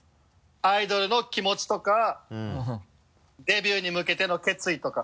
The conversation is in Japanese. アイドルの気持ちとかデビューに向けての決意とか。